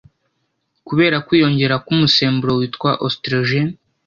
kubera kwiyongera k'umusemburo witwa oestrogène